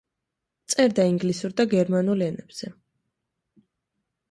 წერდა ინგლისურ და გერმანულ ენებზე.